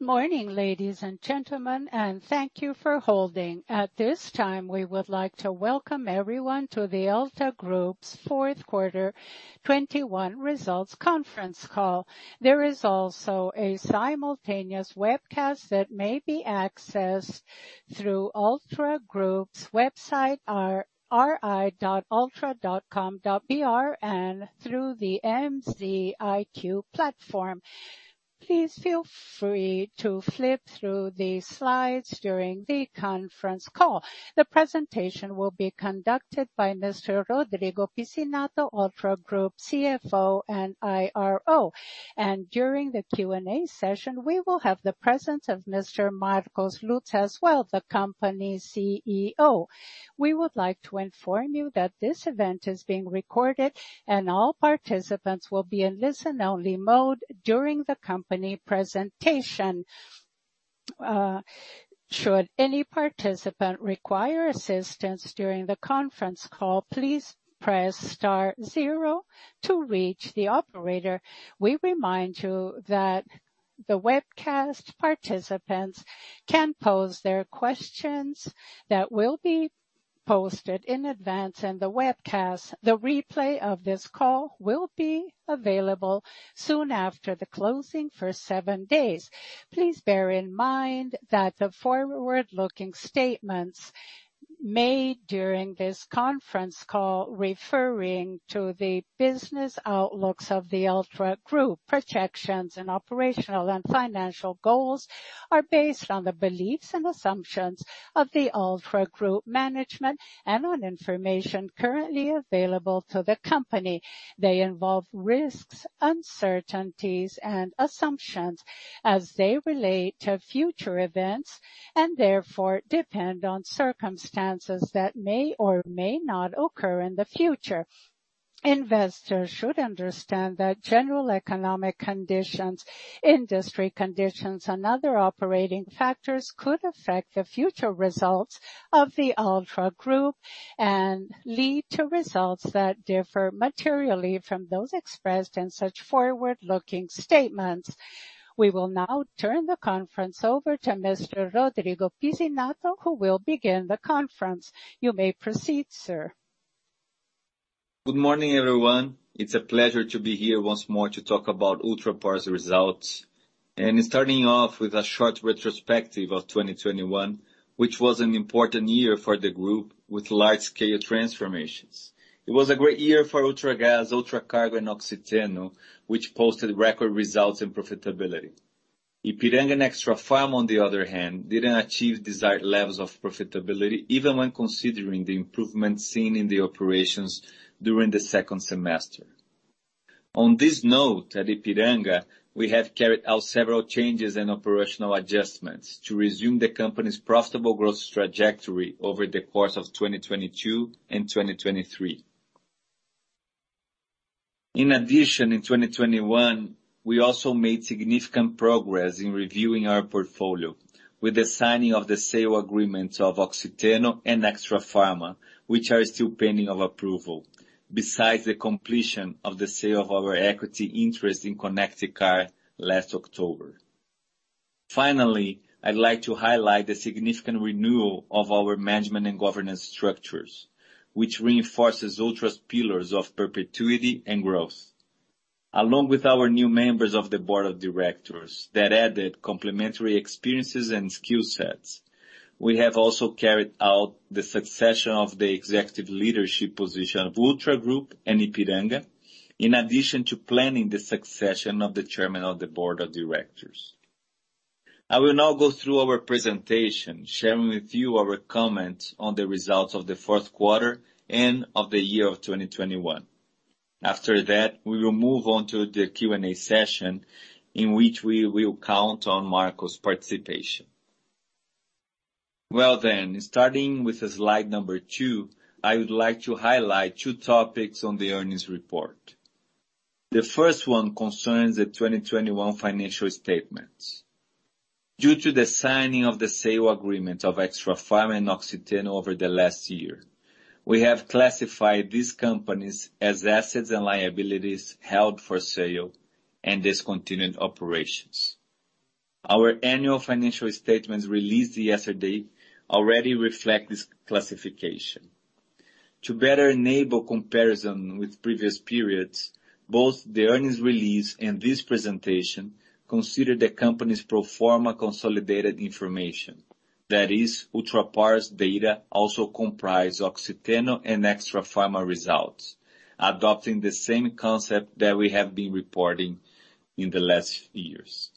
Good morning, ladies and gentlemen, and thank you for holding. At this time, we would like to welcome everyone to the Ultra Group's Fourth Quarter 2021 Results Conference Call. There is also a simultaneous webcast that may be accessed through Ultra Group's website, ri.ultra.com.br, and through the MZiQ platform. Please feel free to flip through the slides during the conference call. The presentation will be conducted by Mr. Rodrigo Pizzinatto, Ultra Group CFO and IRO. During the Q&A session, we will have the presence of Mr. Marcos Lutz as well, the company CEO. We would like to inform you that this event is being recorded and all participants will be in listen-only mode during the company presentation. Should any participant require assistance during the conference call, please press star zero to reach the operator. We remind you that the webcast participants can pose their questions that will be posted in advance in the webcast. The replay of this call will be available soon after the closing for seven days. Please bear in mind that the forward-looking statements made during this conference call referring to the business outlooks of the Ultra Group, projections and operational and financial goals, are based on the beliefs and assumptions of the Ultra Group management and on information currently available to the company. They involve risks, uncertainties and assumptions as they relate to future events and therefore depend on circumstances that may or may not occur in the future. Investors should understand that general economic conditions, industry conditions, and other operating factors could affect the future results of the Ultra Group and lead to results that differ materially from those expressed in such forward-looking statements. We will now turn the conference over to Mr. Rodrigo Pizzinatto, who will begin the conference. You may proceed, sir. Good morning, everyone. It's a pleasure to be here once more to talk about Ultrapar's results. Starting off with a short retrospective of 2021, which was an important year for the group with large scale transformations. It was a great year for Ultragaz, Ultracargo, and Oxiteno, which posted record results and profitability. Ipiranga and Extrafarma, on the other hand, didn't achieve desired levels of profitability, even when considering the improvement seen in the operations during the second semester. On this note, at Ipiranga, we have carried out several changes in operational adjustments to resume the company's profitable growth trajectory over the course of 2022 and 2023. In addition, in 2021, we also made significant progress in reviewing our portfolio with the signing of the sale agreement of Oxiteno and Extrafarma, which are still pending of approval. Besides the completion of the sale of our equity interest in ConectCar last October. Finally, I'd like to highlight the significant renewal of our management and governance structures, which reinforces Ultra's pillars of perpetuity and growth. Along with our new members of the board of directors that added complementary experiences and skill sets, we have also carried out the succession of the executive leadership position of Ultra Group and Ipiranga, in addition to planning the succession of the chairman of the board of directors. I will now go through our presentation, sharing with you our comments on the results of the fourth quarter and of the year 2021. After that, we will move on to the Q&A session, in which we will count on Marcos's participation. Well then, starting with slide two, I would like to highlight two topics on the earnings report. The first one concerns the 2021 financial statements. Due to the signing of the sale agreement of Extrafarma and Oxiteno over the last year, we have classified these companies as assets and liabilities held for sale and discontinued operations. Our annual financial statements released yesterday already reflect this classification. To better enable comparison with previous periods, both the earnings release and this presentation consider the company's pro forma consolidated information. That is, Ultrapar's data also comprise Oxiteno and Extrafarma results, adopting the same concept that we have been reporting in the last years.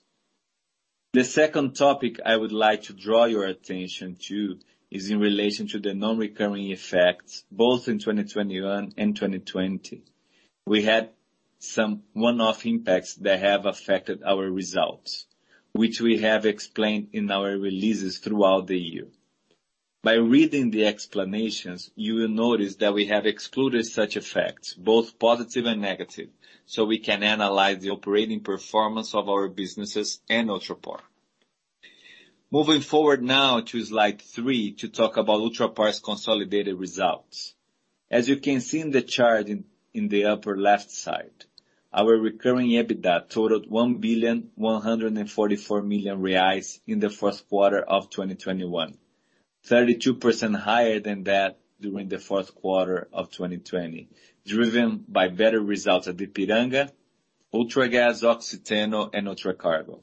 The second topic I would like to draw your attention to is in relation to the non-recurring effects, both in 2021 and 2020. We had some one-off impacts that have affected our results, which we have explained in our releases throughout the year. By reading the explanations, you will notice that we have excluded such effects, both positive and negative, so we can analyze the operating performance of our businesses and Ultrapar. Moving forward now to slide three to talk about Ultrapar's consolidated results. As you can see in the chart in the upper left side, our recurring EBITDA totaled 1,144 million reais in the fourth quarter of 2021. 32% higher than that during the fourth quarter of 2020, driven by better results at Ipiranga, Ultragaz, Oxiteno, and Ultracargo.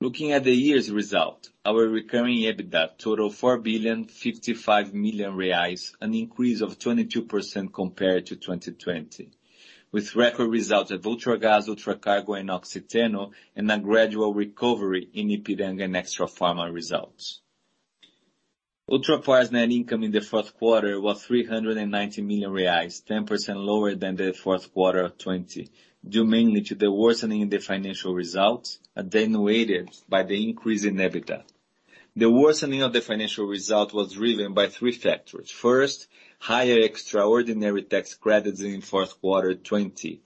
Looking at the year's result, our recurring EBITDA totaled 4,055 million reais, an increase of 22% compared to 2020, with record results at Ultragaz, Ultracargo, and Oxiteno, and a gradual recovery in Ipiranga and Extrafarma results. Ultrapar's net income in the fourth quarter was 390 million reais, 10% lower than the fourth quarter of 2020, due mainly to the worsening in the financial results, attenuated by the increase in EBITDA. The worsening of the financial result was driven by three factors. First, higher extraordinary tax credits in fourth quarter 2020,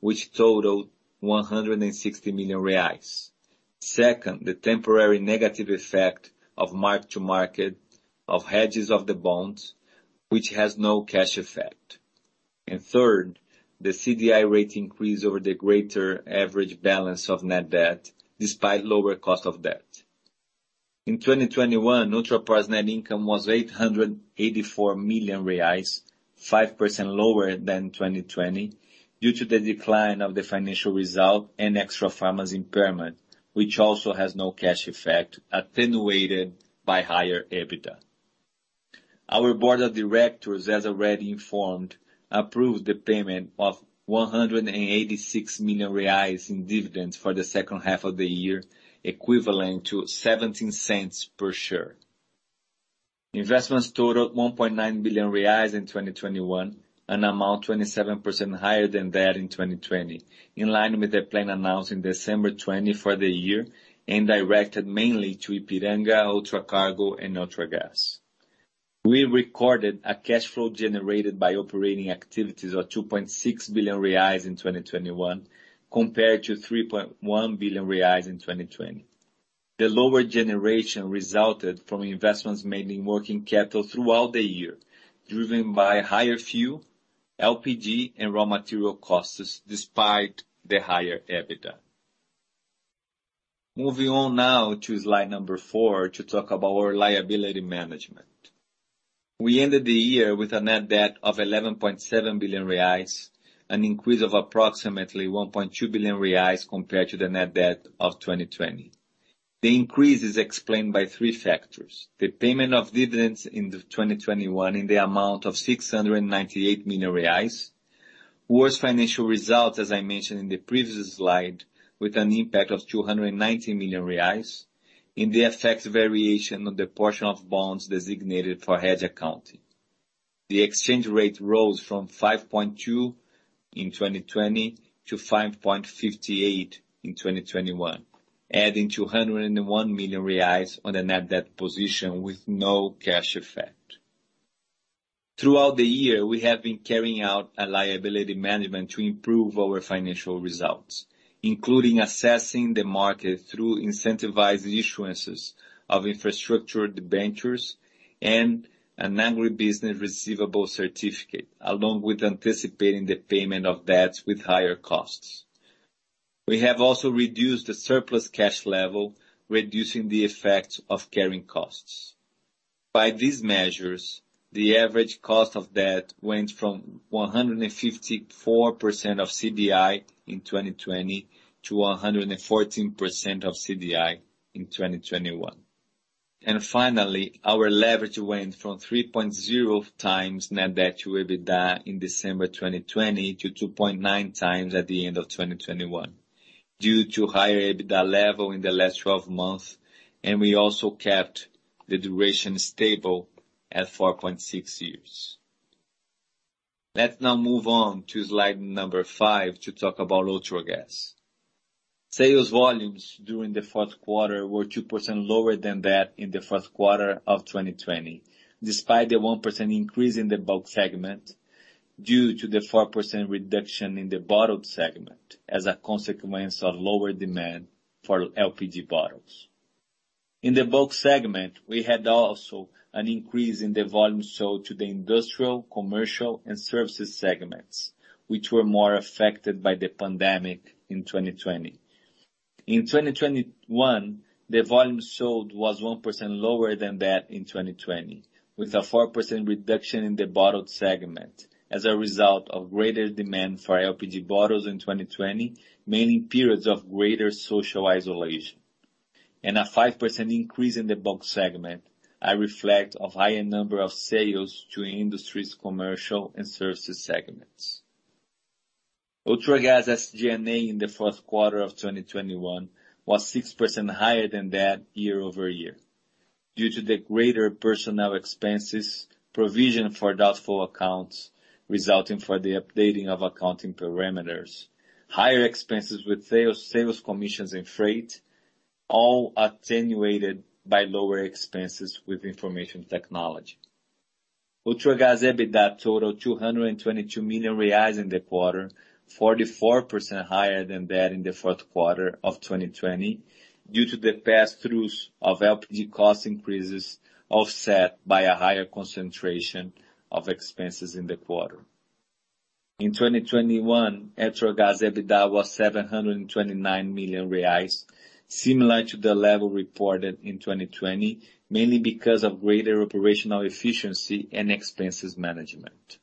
which totaled 160 million reais. Second, the temporary negative effect of mark-to-market of hedges of the bonds, which has no cash effect. Third, the CDI rate increase over the greater average balance of net debt despite lower cost of debt. In 2021, Ultrapar's net income was 884 million reais, 5% lower than 2020 due to the decline of the financial result and Extrafarma's impairment, which also has no cash effect, attenuated by higher EBITDA. Our board of directors, as already informed, approved the payment of 186 million reais in dividends for the second half of the year, equivalent to 0.17 per share. Investments totaled 1.9 billion reais in 2021, an amount 27% higher than that in 2020, in line with the plan announced in December 2020 for the year and directed mainly to Ipiranga, Ultracargo, and Ultragaz. We recorded a cash flow generated by operating activities of 2.6 billion reais in 2021 compared to 3.1 billion reais in 2020. The lower generation resulted from investments made in working capital throughout the year, driven by higher fuel, LPG, and raw material costs despite the higher EBITDA. Moving on now to slide four to talk about our liability management. We ended the year with a net debt of 11.7 billion reais, an increase of approximately 1.2 billion reais compared to the net debt of 2020. The increase is explained by three factors. The payment of dividends in the 2021 in the amount of 698 million reais, worse financial results, as I mentioned in the previous slide, with an impact of 290 million reais, and the FX variation on the portion of bonds designated for hedge accounting. The exchange rate rose from 5.2 in 2020 to 5.58 in 2021, adding 201 million reais on a net debt position with no cash effect. Throughout the year, we have been carrying out a liability management to improve our financial results, including assessing the market through incentivizing issuances of infrastructure debentures and an agribusiness receivable certificate, along with anticipating the payment of debts with higher costs. We have also reduced the surplus cash level, reducing the effects of carrying costs. By these measures, the average cost of debt went from 154% of CDI in 2020 to 114% of CDI in 2021. Finally, our leverage went from 3.0x net debt to EBITDA in December 2020 to 2.9x at the end of 2021 due to higher EBITDA level in the last 12 months. We also kept the duration stable at 4.6 years. Let's now move on to slide number five to talk about Ultragaz. Sales volumes during the fourth quarter were 2% lower than that in the fourth quarter of 2020, despite the 1% increase in the bulk segment due to the 4% reduction in the bottled segment as a consequence of lower demand for LPG bottles. In the bulk segment, we had also an increase in the volume sold to the industrial, commercial and services segments, which were more affected by the pandemic in 2020. In 2021, the volume sold was 1% lower than that in 2020, with a 4% reduction in the bottled segment as a result of greater demand for LPG bottles in 2020, mainly in periods of greater social isolation, and a 5% increase in the bulk segment, reflecting a higher number of sales to industries, commercial and services segments. Ultragaz's SG&A in Q4 2021 was 6% higher year-over-year due to the greater personnel expenses, provision for doubtful accounts resulting from the updating of accounting parameters, higher expenses with sales commissions and freight, all attenuated by lower expenses with information technology. Ultragaz's EBITDA totaled 222 million reais in the quarter, 44% higher than that in Q4 2020 due to the pass-throughs of LPG cost increases, offset by a higher concentration of expenses in the quarter. In 2021, Ultragaz EBITDA was 729 million reais, similar to the level reported in 2020, mainly because of greater operational efficiency and expenses management.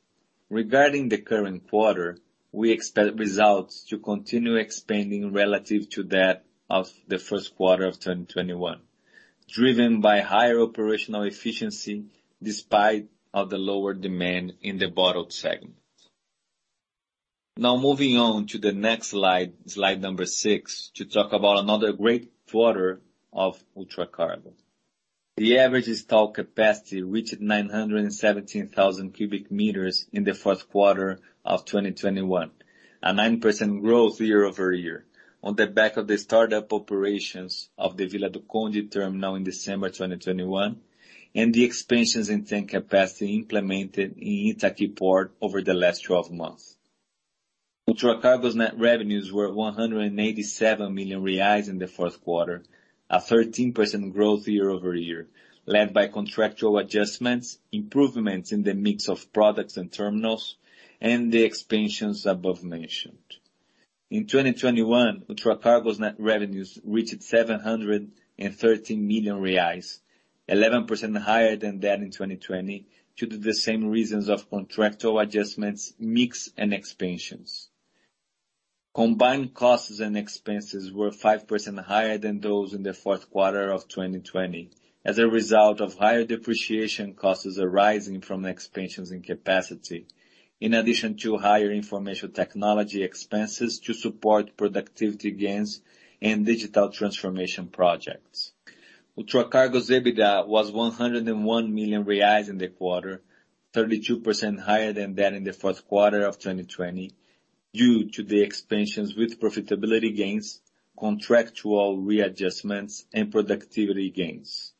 Regarding the current quarter, we expect results to continue expanding relative to that of the first quarter of 2021, driven by higher operational efficiency despite of the lower demand in the bottled segment. Now moving on to the next slide six, to talk about another great quarter of Ultracargo. The average stock capacity reached 917,000 cubic meters in the fourth quarter of 2021, a 9% growth year-over-year on the back of the startup operations of the Vila do Conde terminal in December 2021, and the expansions in tank capacity implemented in Itaqui Port over the last 12 months. Ultracargo's net revenues were 187 million reais in the fourth quarter, a 13% growth year-over-year, led by contractual adjustments, improvements in the mix of products and terminals, and the expansions above mentioned. In 2021, Ultracargo's net revenues reached 713 million reais, 11% higher than that in 2020 due to the same reasons of contractual adjustments, mix, and expansions. Combined costs and expenses were 5% higher than those in the fourth quarter of 2020 as a result of higher depreciation costs arising from expansions in capacity, in addition to higher information technology expenses to support productivity gains and digital transformation projects. Ultracargo's EBITDA was 101 million reais in the quarter, 32% higher than that in the fourth quarter of 2020 due to the expansions with profitability gains, contractual readjustments, and productivity gains.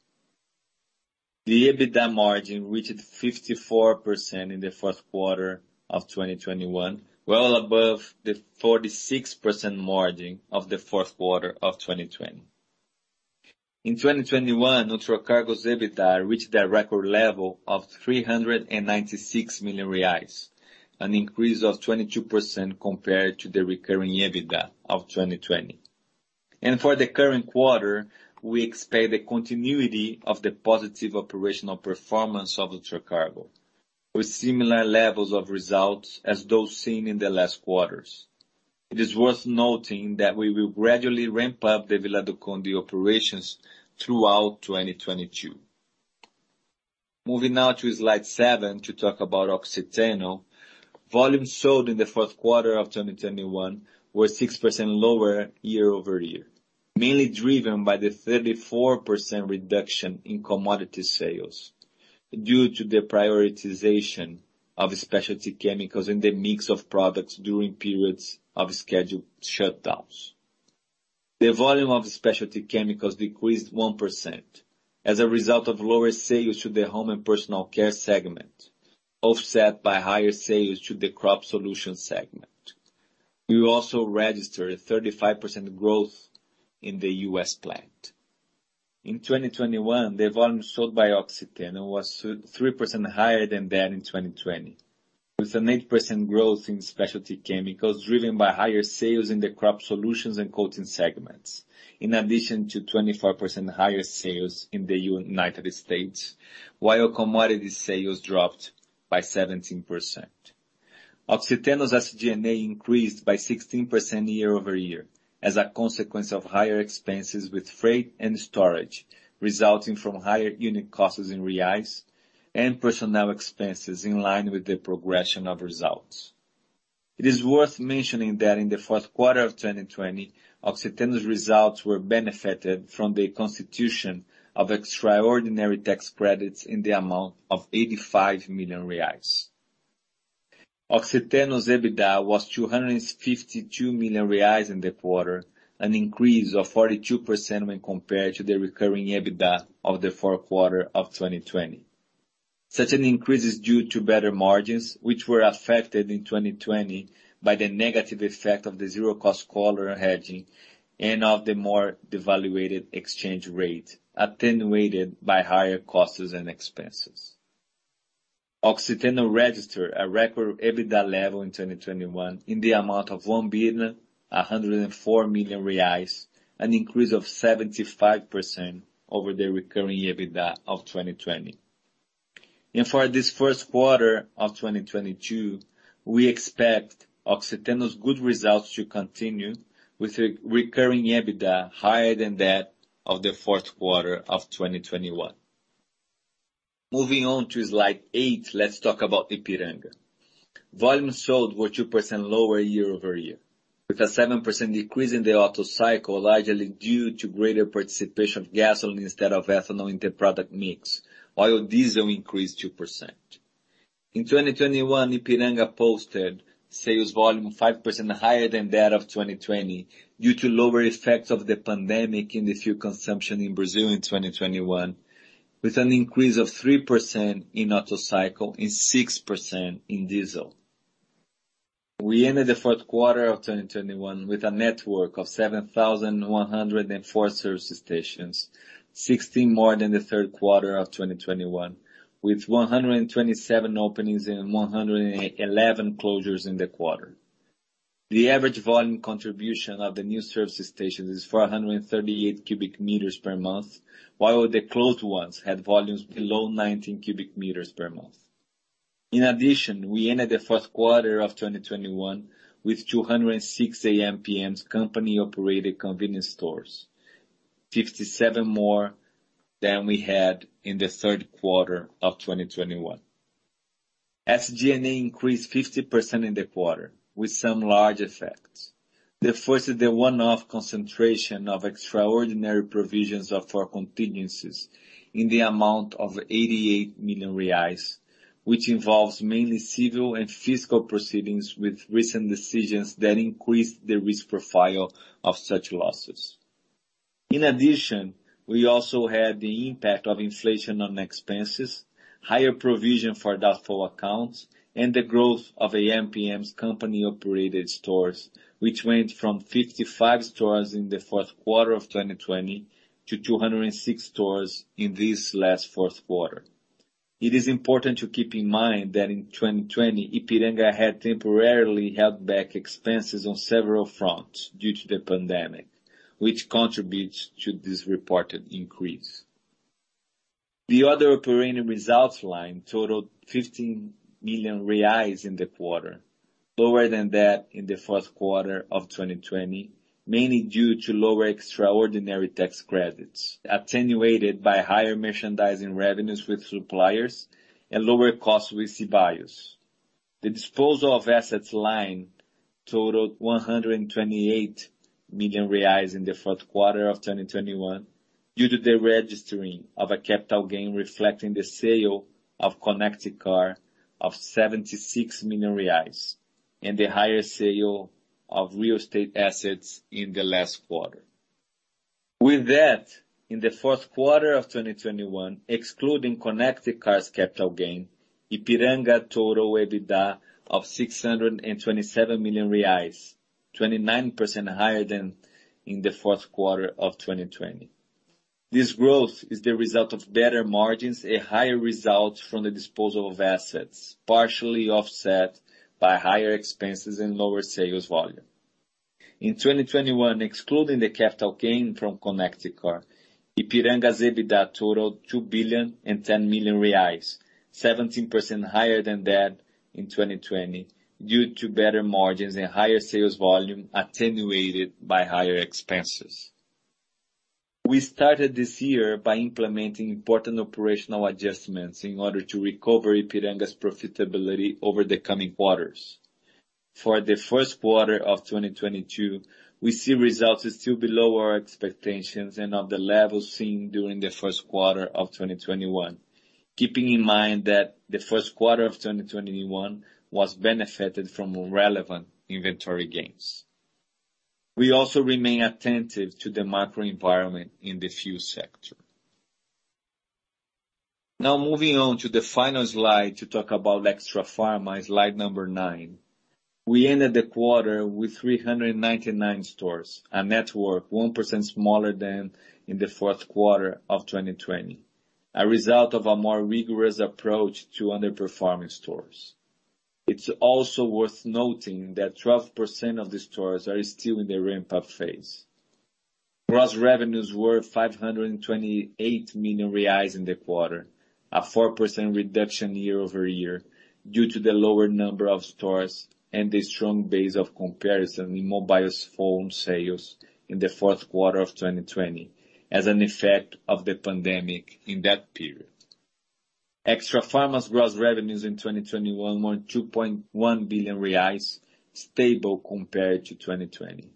The EBITDA margin reached 54% in the fourth quarter of 2021, well above the 46% margin of the fourth quarter of 2020. In 2021, Ultracargo's EBITDA reached a record level of 396 million reais, an increase of 22% compared to the recurring EBITDA of 2020. For the current quarter, we expect a continuity of the positive operational performance of Ultracargo with similar levels of results as those seen in the last quarters. It is worth noting that we will gradually ramp up the Vila do Conde operations throughout 2022. Moving now to slide seven to talk about Oxiteno. Volume sold in the fourth quarter of 2021 was 6% lower year-over-year, mainly driven by the 34% reduction in commodity sales due to the prioritization of specialty chemicals in the mix of products during periods of scheduled shutdowns. The volume of specialty chemicals decreased 1% as a result of lower sales to the home and personal care segment, offset by higher sales to the crop solution segment. We also registered a 35% growth in the US plant. In 2021, the volume sold by Oxiteno was 3% higher than that in 2020, with an 8% growth in specialty chemicals driven by higher sales in the crop solutions and coating segments, in addition to 24% higher sales in the United States, while commodity sales dropped by 17%. Oxiteno's SG&A increased by 16% year-over-year as a consequence of higher expenses with freight and storage, resulting from higher unit costs in reais and personnel expenses in line with the progression of results. It is worth mentioning that in the fourth quarter of 2020, Oxiteno's results were benefited from the constitution of extraordinary tax credits in the amount of 85 million reais. Oxiteno's EBITDA was 252 million reais in the quarter, an increase of 42% when compared to the recurring EBITDA of the fourth quarter of 2020. Such an increase is due to better margins, which were affected in 2020 by the negative effect of the zero-cost collar hedging and of the more devalued exchange rate, attenuated by higher costs and expenses. Oxiteno registered a record EBITDA level in 2021 in the amount of 1,104 million reais, an increase of 75% over the recurring EBITDA of 2020. For this first quarter of 2022, we expect Oxiteno's good results to continue with a recurring EBITDA higher than that of the fourth quarter of 2021. Moving on to slide eight, let's talk about Ipiranga. Volumes sold were 2% lower year-over-year, with a 7% decrease in the auto cycle, largely due to greater participation of gasoline instead of ethanol in the product mix, while diesel increased 2%. In 2021, Ipiranga posted sales volume 5% higher than that of 2020 due to lower effects of the pandemic in the fuel consumption in Brazil in 2021, with an increase of 3% in auto cycle and 6% in diesel. We ended the fourth quarter of 2021 with a network of 7,104 service stations, 16 more than the third quarter of 2021, with 127 openings and 111 closures in the quarter. The average volume contribution of the new service stations is 438 cubic meters per month, while the closed ones had volumes below 19 cubic meters per month. In addition, we ended the fourth quarter of 2021 with 206 ampm's company-operated convenience stores, 57 more than we had in the third quarter of 2021. SG&A increased 50% in the quarter with some large effects. The first is the one-off concentration of extraordinary provisions of our contingencies in the amount of 88 million reais, which involves mainly civil and fiscal proceedings with recent decisions that increase the risk profile of such losses. In addition, we also had the impact of inflation on expenses, higher provision for doubtful accounts, and the growth of ampm's company-operated stores, which went from 55 stores in the fourth quarter of 2020 to 206 stores in this last fourth quarter. It is important to keep in mind that in 2020, Ipiranga had temporarily held back expenses on several fronts due to the pandemic, which contributes to this reported increase. The other operating results line totaled 15 million reais in the quarter, lower than that in the fourth quarter of 2020, mainly due to lower extraordinary tax credits, attenuated by higher merchandising revenues with suppliers and lower costs with CBIOs. The disposal of assets line totaled 128 million reais in the fourth quarter of 2021 due to the registering of a capital gain reflecting the sale of ConectCar of 76 million reais and the higher sale of real estate assets in the last quarter. With that, in the fourth quarter of 2021, excluding ConectCar's capital gain, Ipiranga's total EBITDA of 627 million reais, 29% higher than in the fourth quarter of 2020. This growth is the result of better margins and a higher result from the disposal of assets, partially offset by higher expenses and lower sales volume. In 2021, excluding the capital gain from ConectCar, Ipiranga's EBITDA totaled 2 billion and 10 million, 17% higher than that in 2020 due to better margins and higher sales volume, attenuated by higher expenses. We started this year by implementing important operational adjustments in order to recover Ipiranga's profitability over the coming quarters. For the first quarter of 2022, we see results still below our expectations and of the levels seen during the first quarter of 2021, keeping in mind that the first quarter of 2021 was benefited from relevant inventory gains. We also remain attentive to the macro environment in the fuel sector. Now moving on to the final slide to talk about Extrafarma, slide nine. We ended the quarter with 399 stores, a network 1% smaller than in the fourth quarter of 2020, a result of a more rigorous approach to underperforming stores. It's also worth noting that 12% of the stores are still in the ramp-up phase. Gross revenues were 528 million reais in the quarter, a 4% reduction year-over-year due to the lower number of stores and the strong base of comparison in mobile phone sales in the fourth quarter of 2020 as an effect of the pandemic in that period. Extrafarma's gross revenues in 2021 were 2.1 billion reais, stable compared to 2020.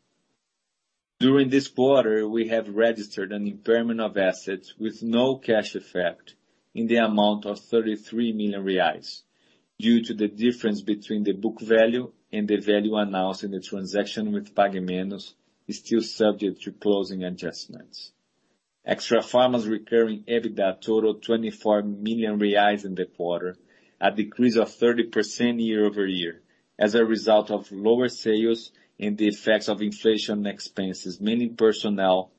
During this quarter, we have registered an impairment of assets with no cash effect in the amount of 33 million reais due to the difference between the book value and the value announced in the transaction with Pague Menos is still subject to closing adjustments. Extrafarma's recurring EBITDA totaled 24 million reais in the quarter, a decrease of 30% year-over-year as a result of lower sales and the effects of inflation expenses, mainly personnel,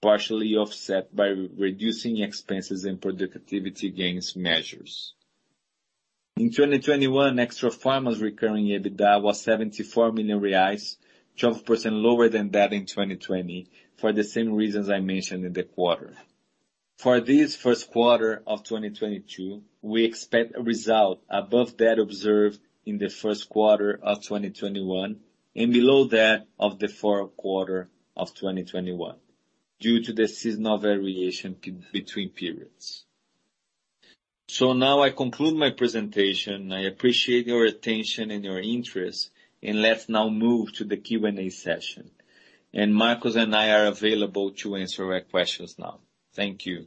partially offset by reducing expenses and productivity gains measures. In 2021, Extrafarma's recurring EBITDA was 74 million reais, 12% lower than that in 2020 for the same reasons I mentioned in the quarter. For this first quarter of 2022, we expect a result above that observed in the first quarter of 2021 and below that of the fourth quarter of 2021 due to the seasonal variation between periods. Now I conclude my presentation. I appreciate your attention and your interest, and let's now move to the Q&A session. Marcos and I are available to answer your questions now. Thank you.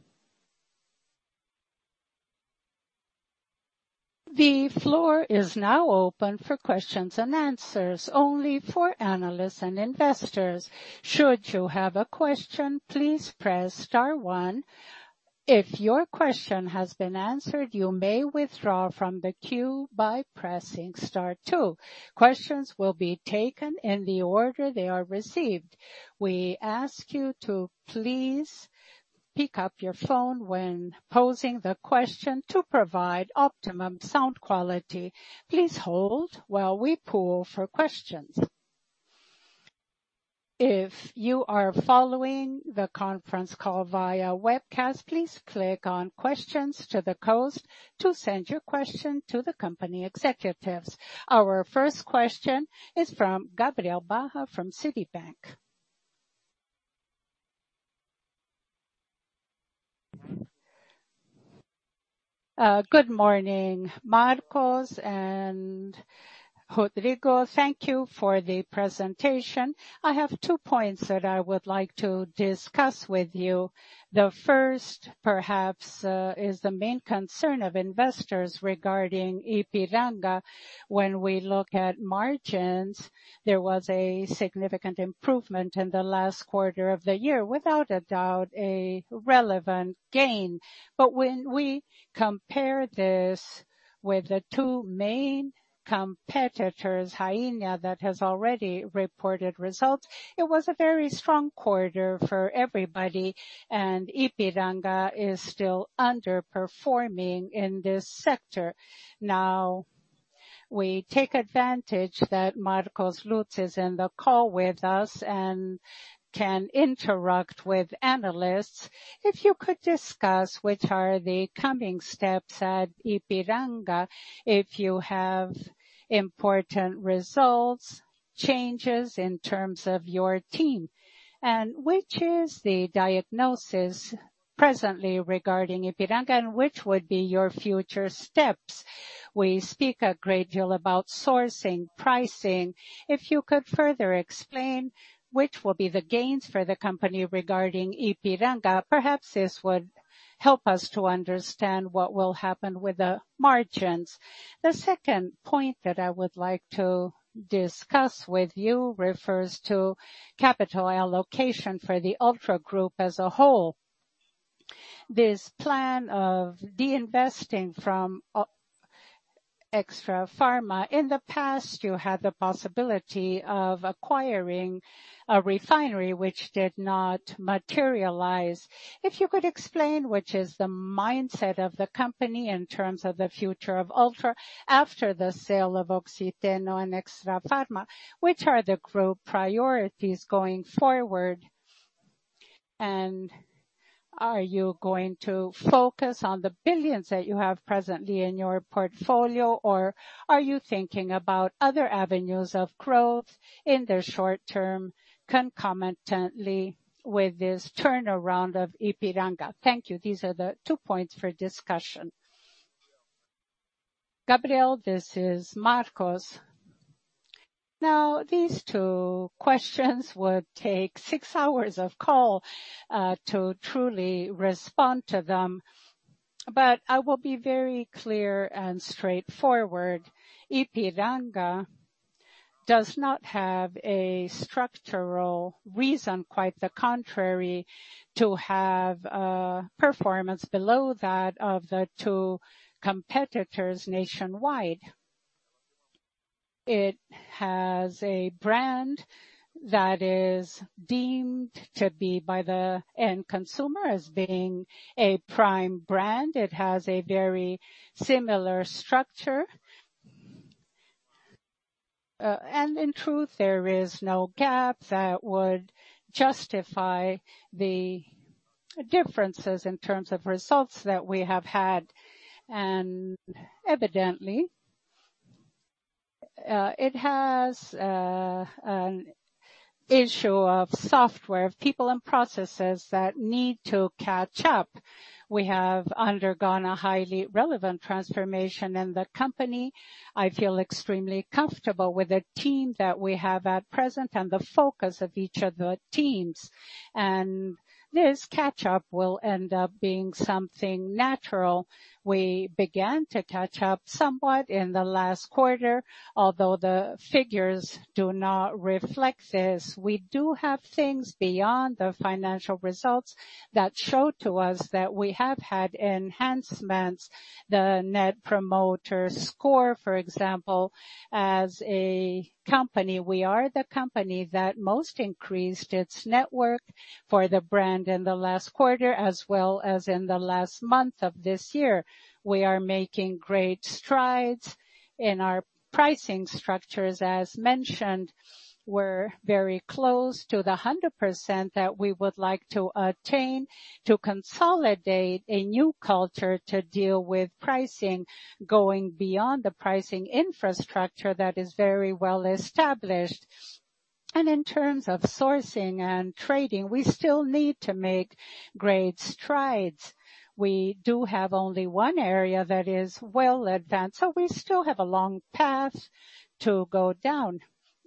The floor is now open for questions and answers, only for Analysts and Investors. Should you have a question, pleases press star one. If your question has been answered, you may withdraw from the queue by pressing star two. Questions will be taken in the order they are received. We ask that you please pick up your phone when posing your question to provide optimum sound quality. Please hold while we poll for questions. If you are following the conference call via webcast, please click on "Questions" to send your question to the company executives. Our first question is from Gabriel Barra from Citibank. Good morning, Marcos and Rodrigo. Thank you for the presentation. I have two points that I would like to discuss with you. The first perhaps is the main concern of investors regarding Ipiranga. When we look at margins, there was a significant improvement in the last quarter of the year, without a doubt, a relevant gain. When we compare this with the two main competitors, Raízen, that has already reported results, it was a very strong quarter for everybody, and Ipiranga is still underperforming in this sector. Now, we take advantage that Marcos Lutz is in the call with us and can interact with analysts. If you could discuss which are the coming steps at Ipiranga, if you have important results, changes in terms of your team. Which is the diagnosis presently regarding Ipiranga, and which would be your future steps? We speak a great deal about sourcing, pricing. If you could further explain which will be the gains for the company regarding Ipiranga, perhaps this would help us to understand what will happen with the margins. The second point that I would like to discuss with you refers to capital allocation for the Ultra Group as a whole. This plan of divesting from Oxiteno and Extrafarma. In the past, you had the possibility of acquiring a refinery which did not materialize. If you could explain which is the mindset of the company in terms of the future of Ultrapar after the sale of Oxiteno and Extrafarma, which are the group priorities going forward? And are you going to focus on the billions that you have presently in your portfolio, or are you thinking about other avenues of growth in the short term, concomitantly with this turnaround of Ipiranga? Thank you. These are the two points for discussion. Gabriel, this is Marcos. Now, these two questions would take six hours of call to truly respond to them, but I will be very clear and straightforward. Ipiranga does not have a structural reason, quite the contrary, to have performance below that of the two competitors nationwide. It has a brand that is deemed to be by the end consumer as being a prime brand. It has a very similar structure. In truth, there is no gap that would justify the differences in terms of results that we have had. Evidently, it has an issue of software, people and processes that need to catch up. We have undergone a highly relevant transformation in the company. I feel extremely comfortable with the team that we have at present and the focus of each of the teams. This catch up will end up being something natural. We began to catch up somewhat in the last quarter, although the figures do not reflect this. We do have things beyond the financial results that show to us that we have had enhancements. The Net Promoter Score, for example. As a company, we are the company that most increased its network for the brand in the last quarter as well as in the last month of this year. We are making great strides in our pricing structures. As mentioned, we're very close to 100% that we would like to attain to consolidate a new culture to deal with pricing, going beyond the pricing infrastructure that is very well established. In terms of sourcing and trading, we still need to make great strides. We do have only one area that is well advanced. We still have a long path to go down.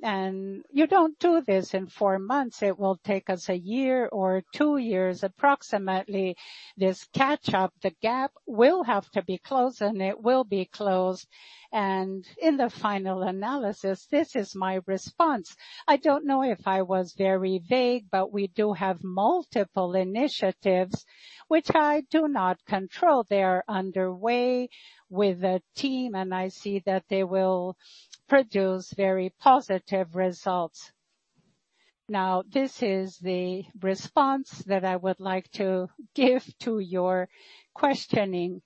You don't do this in four months. It will take us a year or two years approximately. This catch up, the gap will have to be closed and it will be closed. In the final analysis, this is my response. I don't know if I was very vague, but we do have multiple initiatives which I do not control. They are underway with a team, and I see that they will produce very positive results. Now, this is the response that I would like to give to your questioning.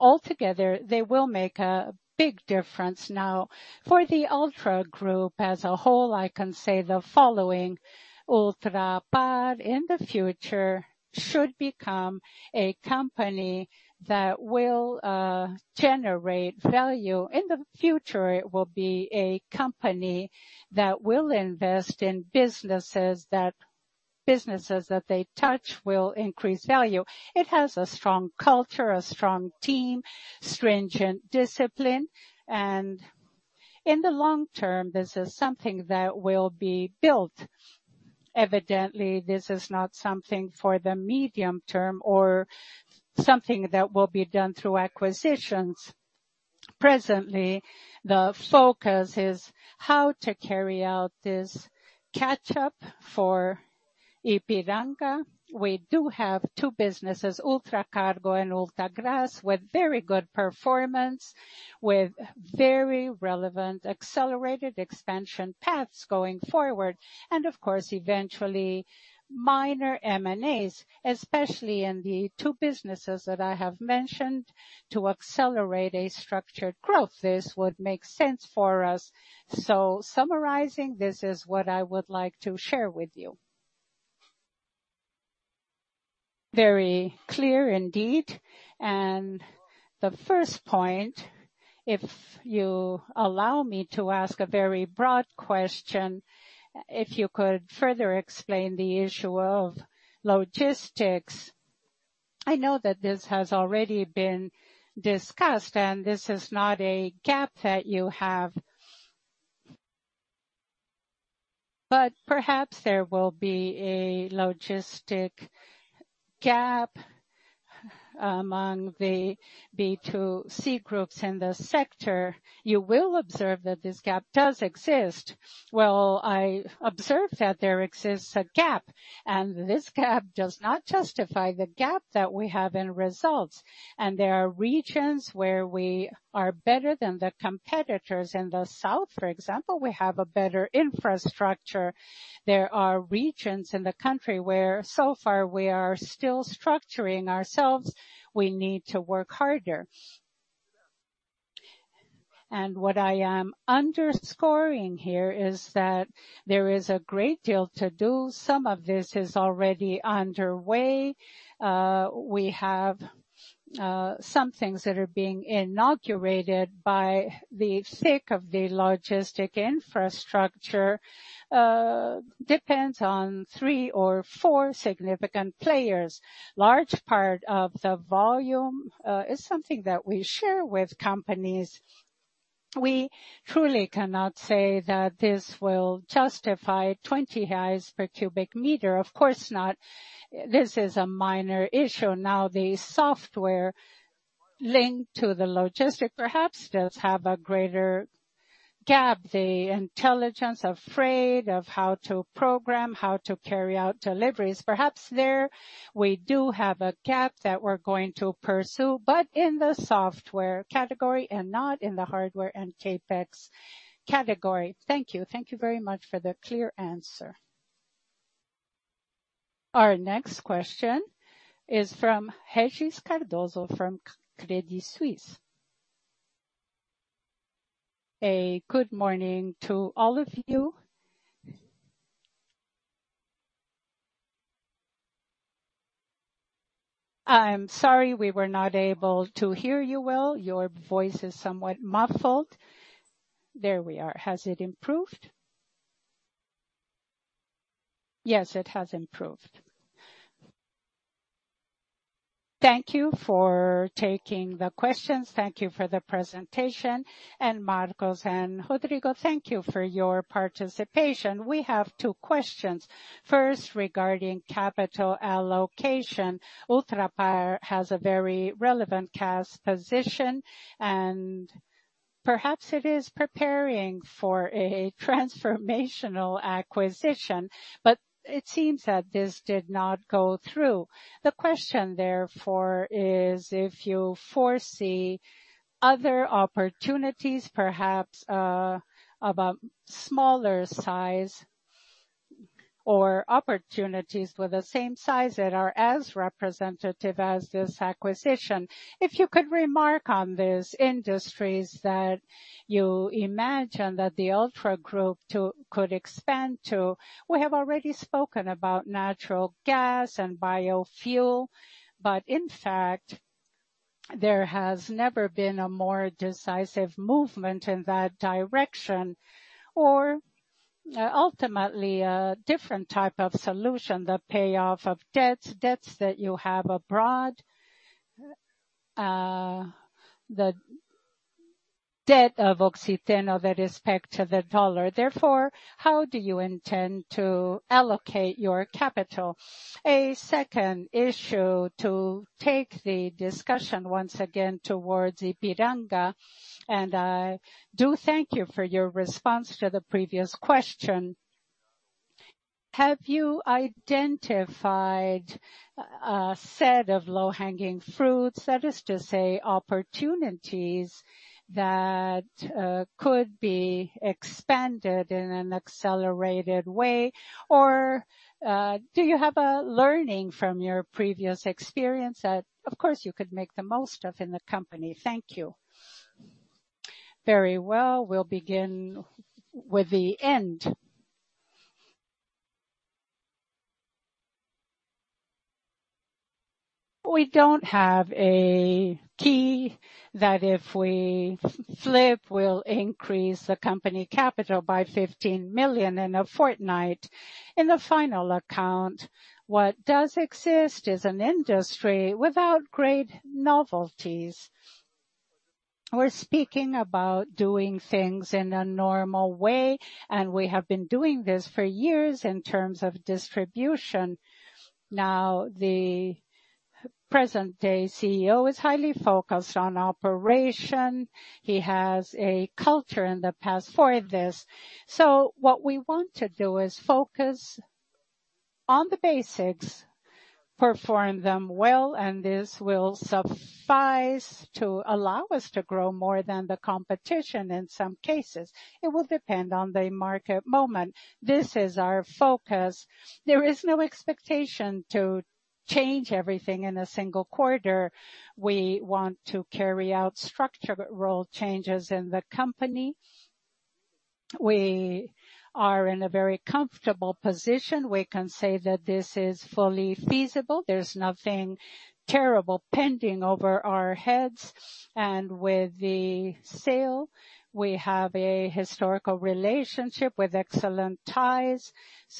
Altogether, they will make a big difference. Now, for the Ultra Group as a whole, I can say the following. Ultrapar in the future should become a company that will generate value. In the future, it will be a company that will invest in businesses that they touch will increase value. It has a strong culture, a strong team, stringent discipline. In the long term, this is something that will be built. Evidently, this is not something for the medium term or something that will be done through acquisitions. Presently, the focus is how to carry out this catch up for Ipiranga. We do have two businesses, Ultracargo and Ultragaz, with very good performance, with very relevant accelerated expansion paths going forward, and of course, eventually minor M&As, especially in the two businesses that I have mentioned, to accelerate a structured growth. This would make sense for us. Summarizing, this is what I would like to share with you. Very clear indeed. The first point, if you allow me to ask a very broad question, if you could further explain the issue of logistics. I know that this has already been discussed, and this is not a gap that you have. Perhaps there will be a logistics gap among the B2C groups in the sector. You will observe that this gap does exist. Well, I observe that there exists a gap, and this gap does not justify the gap that we have in results. There are regions where we are better than the competitors. In the south, for example, we have a better infrastructure. There are regions in the country where so far we are still structuring ourselves. We need to work harder. What I am underscoring here is that there is a great deal to do. Some of this is already underway. We have some things that are being inaugurated for the sake of the logistics infrastructure. It depends on three or four significant players. Large part of the volume is something that we share with companies. We truly cannot say that this will justify 20 per cubic meter. Of course not. This is a minor issue. Now, the software linked to the logistics perhaps does have a greater gap. The intelligence of freight, of how to program, how to carry out deliveries. Perhaps there we do have a gap that we're going to pursue, but in the software category and not in the hardware and CapEx category. Thank you. Thank you very much for the clear answer. Our next question is from Regis Cardoso from Credit Suisse. Good morning to all of you. I'm sorry we were not able to hear you well. Your voice is somewhat muffled. There we are. Has it improved? Yes, it has improved. Thank you for taking the questions. Thank you for the presentation. Marcos and Rodrigo, thank you for your participation. We have two questions. First, regarding capital allocation. Ultrapar has a very relevant cash position, and perhaps it is preparing for a transformational acquisition, but it seems that this did not go through. The question, therefore, is if you foresee other opportunities, perhaps, of a smaller size or opportunities with the same size that are as representative as this acquisition. If you could remark on these industries that you imagine that the Ultra Group could expand to. We have already spoken about natural gas and biofuel, but in fact, there has never been a more decisive movement in that direction. Ultimately a different type of solution, the payoff of debts that you have abroad. The debt of Oxiteno that is pegged to the dollar. Therefore, how do you intend to allocate your capital? A second issue to take the discussion once again towards Ipiranga, and I do thank you for your response to the previous question. Have you identified a set of low-hanging fruits, that is to say, opportunities that could be expanded in an accelerated way? Or do you have a learning from your previous experience that, of course, you could make the most of in the company? Thank you. Very well. We'll begin with the end. We don't have a key that if we flip, we'll increase the company capital by 15 million in a fortnight. In the final account, what does exist is an industry without great novelties. We're speaking about doing things in a normal way, and we have been doing this for years in terms of distribution. Now, the present day CEO is highly focused on operation. He has a culture in the past for this. What we want to do is focus on the basics, perform them well, and this will suffice to allow us to grow more than the competition in some cases. It will depend on the market moment. This is our focus. There is no expectation to change everything in a single quarter. We want to carry out structural changes in the company. We are in a very comfortable position. We can say that this is fully feasible. There's nothing terrible pending over our heads. With the sale, we have a historical relationship with excellent ties.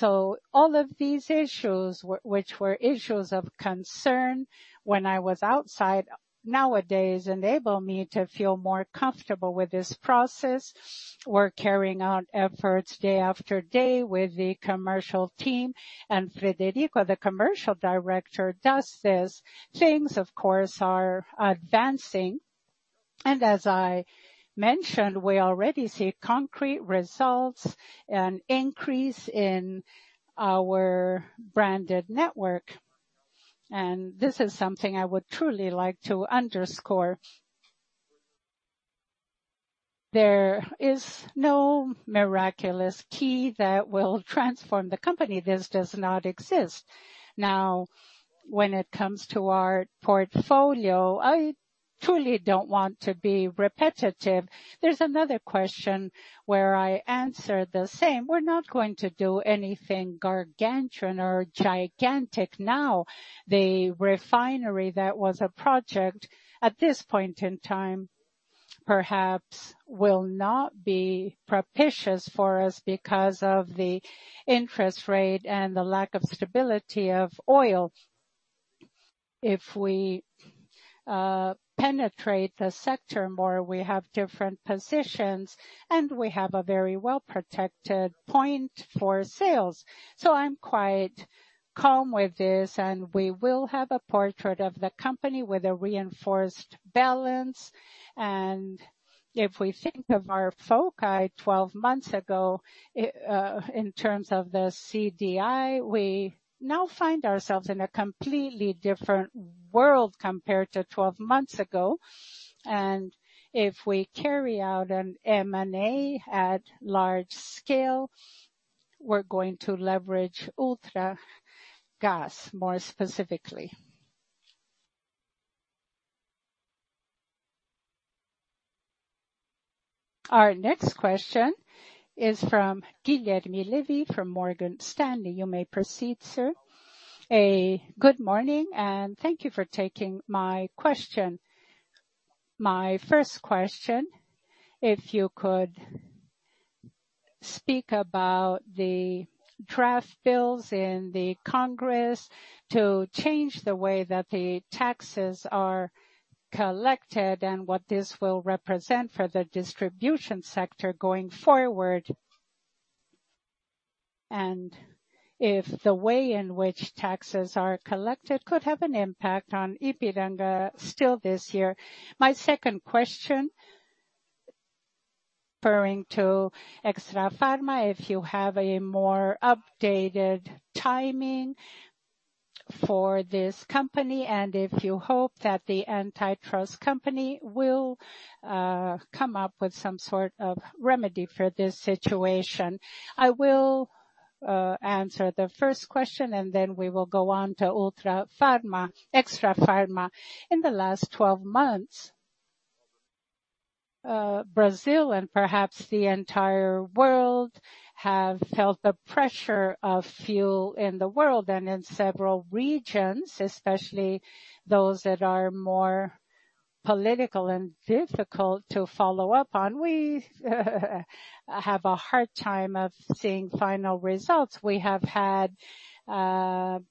All of these issues, which were issues of concern when I was outside, nowadays enable me to feel more comfortable with this process. We're carrying out efforts day after day with the commercial team. Frederico, the commercial director, does this. Things, of course, are advancing. As I mentioned, we already see concrete results, an increase in our branded network. This is something I would truly like to underscore. There is no miraculous key that will transform the company. This does not exist. Now, when it comes to our portfolio, I truly don't want to be repetitive. There's another question where I answer the same. We're not going to do anything gargantuan or gigantic now. The refinery that was a project at this point in time perhaps will not be propitious for us because of the interest rate and the lack of stability of oil. If we penetrate the sector more, we have different positions, and we have a very well-protected point for sales. I'm quite calm with this, and we will have a portrait of the company with a reinforced balance. If we think of our foci 12 months ago, in terms of the CDI, we now find ourselves in a completely different world compared to 12 months ago. If we carry out an M&A at large scale, we're going to leverage Ultragaz more specifically. Our next question is from Guilherme Levy from Morgan Stanley. You may proceed, sir. Good morning, and thank you for taking my question. My first question, if you could speak about the draft bills in the Congress to change the way that the taxes are collected and what this will represent for the distribution sector going forward. If the way in which taxes are collected could have an impact on Ipiranga still this year. My second question, referring to Extrafarma, if you have a more updated timing for this company, and if you hope that CADE will come up with some sort of remedy for this situation. I will answer the first question, and then we will go on to Ultrapar, Extrafarma. In the last 12 months, Brazil and perhaps the entire world have felt the pressure of fuel in the world and in several regions, especially those that are more political and difficult to follow up on. We have a hard time of seeing final results. We have had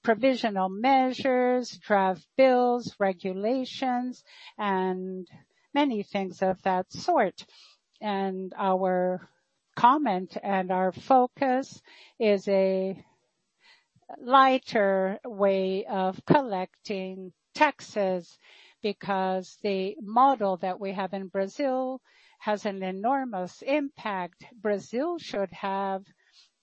provisional measures, draft bills, regulations, and many things of that sort. Our comment and our focus is a lighter way of collecting taxes, because the model that we have in Brazil has an enormous impact. Brazil should have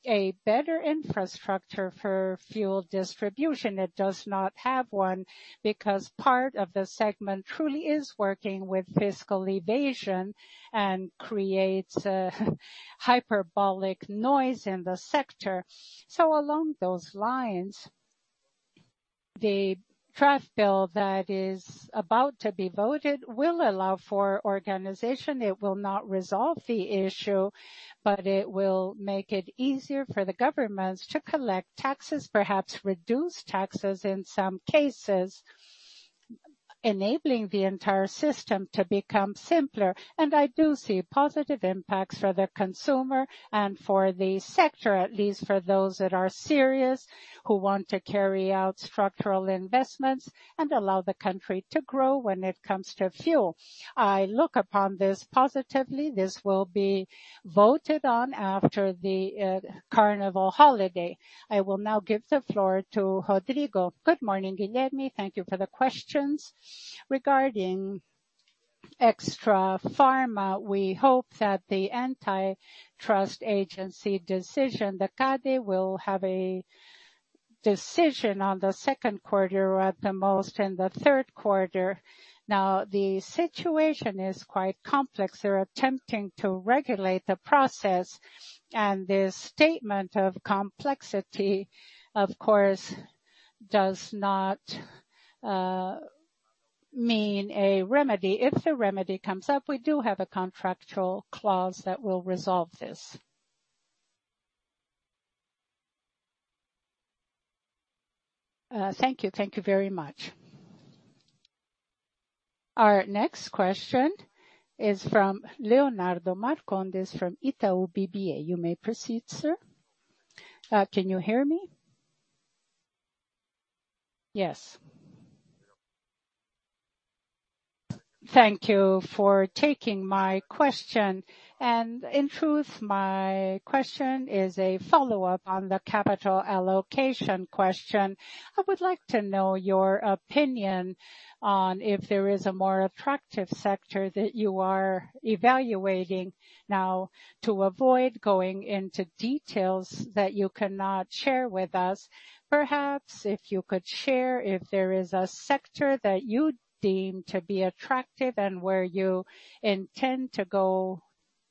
a better infrastructure for fuel distribution. It does not have one, because part of the segment truly is working with fiscal evasion and creates a hyperbolic noise in the sector. Along those lines, the draft bill that is about to be voted will allow for organization. It will not resolve the issue, but it will make it easier for the governments to collect taxes, perhaps reduce taxes in some cases, enabling the entire system to become simpler. I do see positive impacts for the consumer and for the sector, at least for those that are serious, who want to carry out structural investments and allow the country to grow when it comes to fuel. I look upon this positively. This will be voted on after the Carnival holiday. I will now give the floor to Rodrigo. Good morning, Guilherme. Thank you for the questions. Regarding Extrafarma, we hope that the antitrust agency decision, the CADE, will have a decision on the second quarter, at the most in the third quarter. Now, the situation is quite complex. They're attempting to regulate the process, and this statement of complexity, of course, does not mean a remedy. If the remedy comes up, we do have a contractual clause that will resolve this. Thank you. Thank you very much. Our next question is from Leonardo Marcondes from Itaú BBA. You may proceed, sir. Can you hear me? Yes. Thank you for taking my question. In truth, my question is a follow-up on the capital allocation question. I would like to know your opinion on if there is a more attractive sector that you are evaluating now. To avoid going into details that you cannot share with us, perhaps if you could share if there is a sector that you deem to be attractive and where you intend to go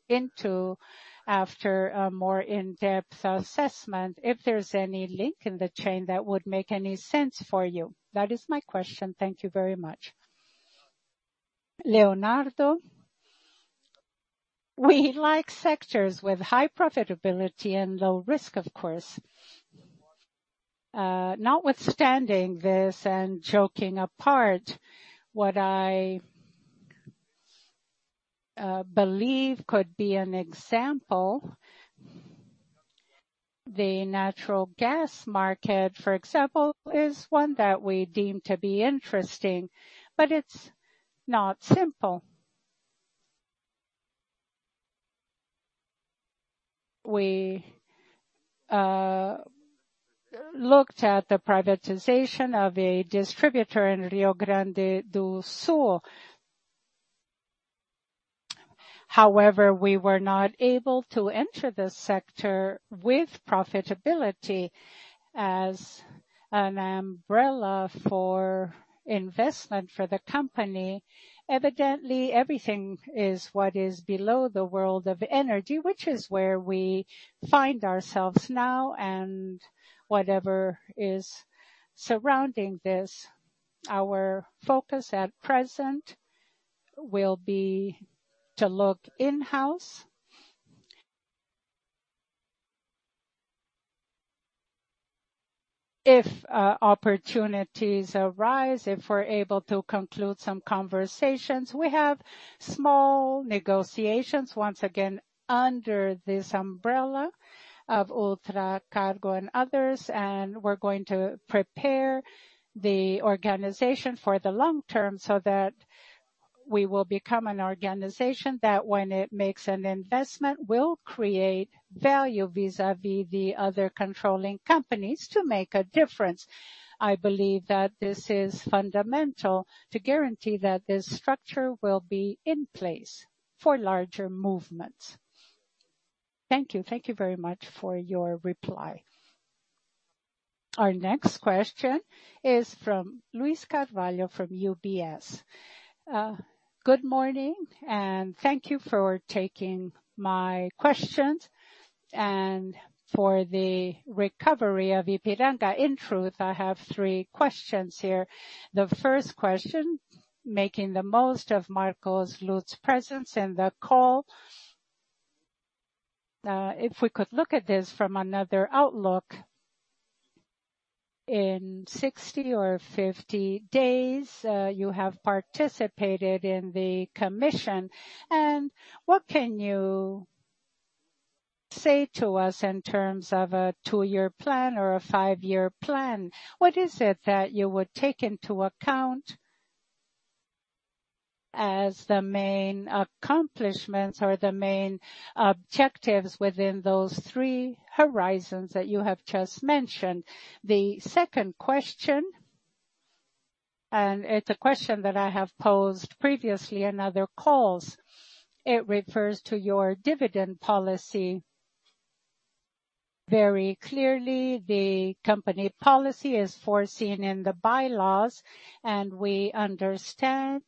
into after a more in-depth assessment, if there's any link in the chain that would make any sense for you. That is my question. Thank you very much. Leonardo, we like sectors with high profitability and low risk, of course. Notwithstanding this and joking apart, what I believe could be an example, the natural gas market, for example, is one that we deem to be interesting, but it's not simple. We looked at the privatization of a distributor in Rio Grande do Sul. However, we were not able to enter this sector with profitability as an umbrella for investment for the company. Evidently, everything is what is below the world of energy, which is where we find ourselves now and whatever is surrounding this. Our focus at present will be to look in-house. If opportunities arise, if we're able to conclude some conversations, we have small negotiations, once again, under this umbrella of Ultracargo and others, and we're going to prepare the organization for the long term so that we will become an organization that when it makes an investment, will create value vis-à-vis the other controlling companies to make a difference. I believe that this is fundamental to guarantee that this structure will be in place for larger movements. Thank you. Thank you very much for your reply. Our next question is from Luiz Carvalho from UBS. Good morning, and thank you for taking my questions and for the recovery of Ipiranga. In truth, I have three questions here. The first question, making the most of Marcos Lutz's presence in the call, if we could look at this from another outlook. In 60 or 50 days, you have participated in the commission, and what can you say to us in terms of a 2-year plan or a 5-year plan? What is it that you would take into account as the main accomplishments or the main objectives within those three horizons that you have just mentioned? The second question, it's a question that I have posed previously in other calls. It refers to your dividend policy. Very clearly, the company policy is foreseen in the bylaws, and we understand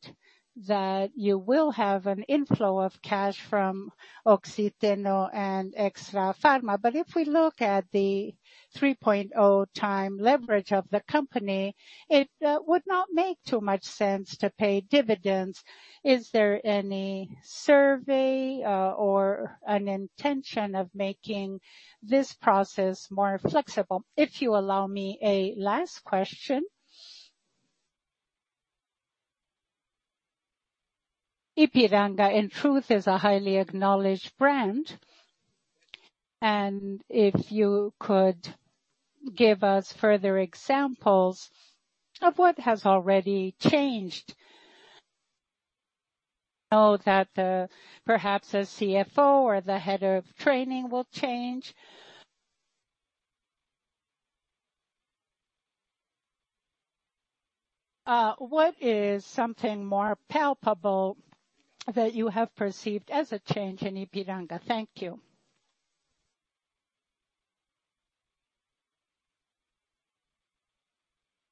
that you will have an inflow of cash from Oxiteno and Extrafarma. But if we look at the 3.0x leverage of the company, it would not make too much sense to pay dividends. Is there any survey or an intention of making this process more flexible? If you allow me a last question. Ipiranga, in truth, is a highly acknowledged brand. If you could give us further examples of what has already changed. Now that perhaps a CFO or the head of training will change. What is something more palpable that you have perceived as a change in Ipiranga? Thank you.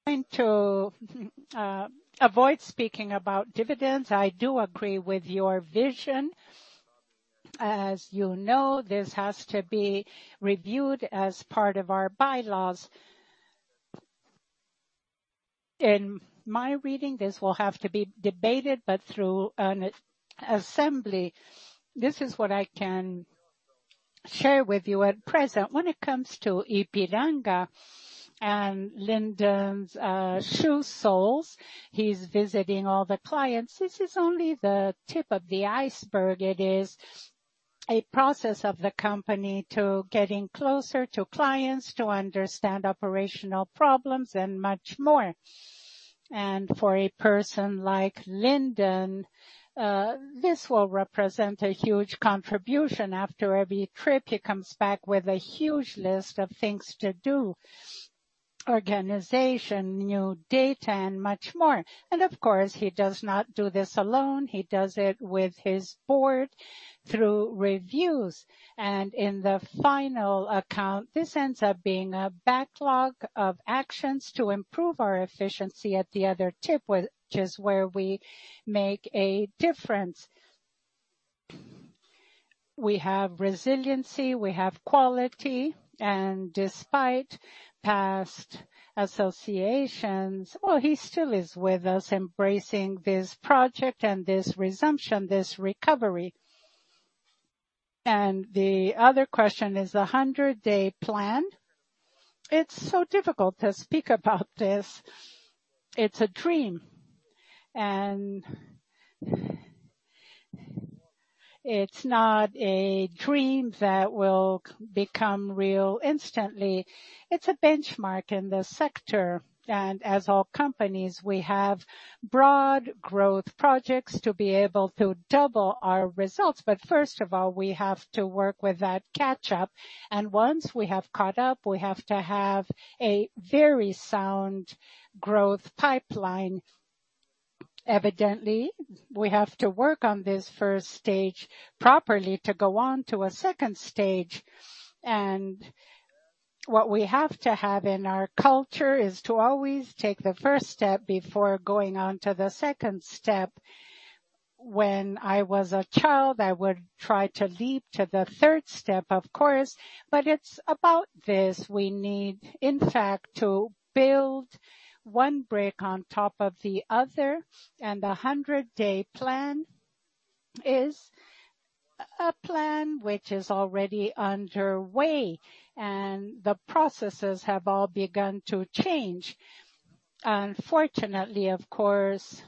I'm going to avoid speaking about dividends. I do agree with your vision. As you know, this has to be reviewed as part of our bylaws. In my reading, this will have to be debated, but through an assembly. This is what I can share with you at present. When it comes to Ipiranga and Linden's usual, he's visiting all the clients. This is only the tip of the iceberg. It is a process of the company to get closer to clients to understand operational problems and much more. For a person like Linden, this will represent a huge contribution. After every trip, he comes back with a huge list of things to do, organization, new data, and much more. Of course, he does not do this alone. He does it with his board through reviews. In the final account, this ends up being a backlog of actions to improve our efficiency at the other end, which is where we make a difference. We have resiliency, we have quality, and despite past associations, he still is with us embracing this project and this resumption, this recovery. The other question is the 100-day plan. It's so difficult to speak about this. It's a dream, and it's not a dream that will become real instantly. It's a benchmark in the sector. As all companies, we have broad growth projects to be able to double our results. First of all, we have to work with that catch up. Once we have caught up, we have to have a very sound growth pipeline. Evidently, we have to work on this first stage properly to go on to a second stage. What we have to have in our culture is to always take the first step before going on to the second step. When I was a child, I would try to leap to the third step, of course, but it's about this. We need, in fact, to build one brick on top of the other. The 100-day plan is a plan which is already underway, and the processes have all begun to change. Unfortunately, of course,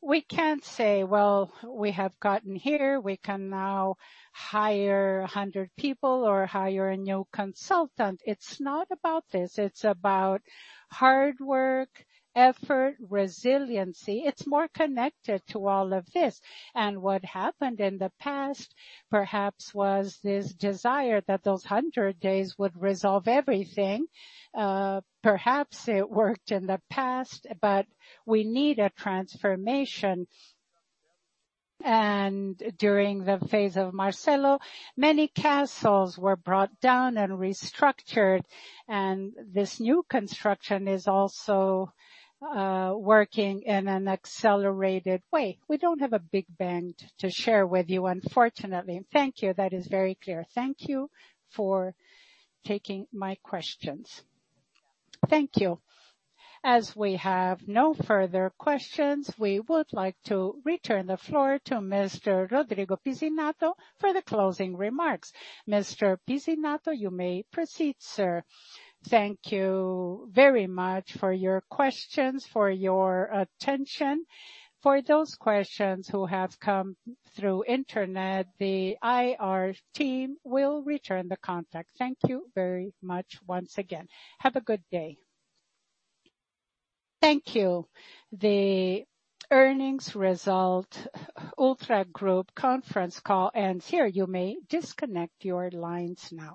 we can't say, "Well, we have gotten here. We can now hire 100 people or hire a new consultant." It's not about this. It's about hard work, effort, resiliency. It's more connected to all of this. What happened in the past, perhaps was this desire that those 100 days would resolve everything. Perhaps it worked in the past, but we need a transformation. During the phase of Marcelo, many castles were brought down and restructured, and this new construction is also working in an accelerated way. We don't have a big bank to share with you, unfortunately. Thank you. That is very clear. Thank you for taking my questions. Thank you. As we have no further questions, we would like to return the floor to Mr. Rodrigo Pizzinatto for the closing remarks. Mr. Pizzinatto, you may proceed, sir. Thank you very much for your questions, for your attention. For those questions who have come through the internet, the IR team will return the contact. Thank you very much once again. Have a good day. Thank you. The earnings release Ultrapar conference call ends here. You may disconnect your lines now.